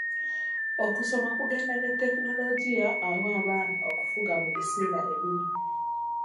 Okusoma kugenda na tekinologiya awa abaana okufuga mu biseera ebimu.